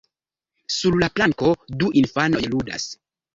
Sur la planko, du infanoj ludas.